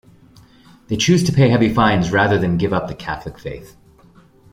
They chose to pay heavy fines rather than give up the Catholic faith.